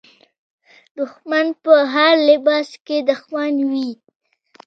دښمن په هر لباس کې دښمن وي.